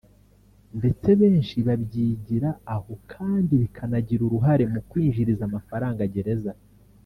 ndetse benshi babyigira aho kandi bikanagira uruhare mu kwinjiriza amafaranga gereza